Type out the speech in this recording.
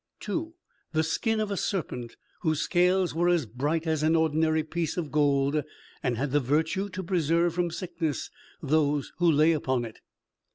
2. The skin of a serpent, whose scales were as bright as an ordinary piece of gold, and had the virtue to preserve from sickness those who lay upon it.